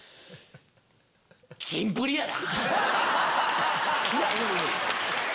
キンプリやな。